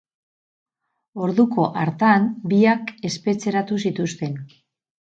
Orduko hartan, biak espetxeratu zituzten.